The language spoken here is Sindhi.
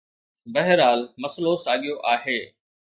بهرحال، مسئلو ساڳيو آهي.